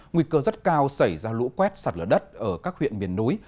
nguy cơ rất cao xảy ra lũ quét sạt lở đất ở các huyện miền núi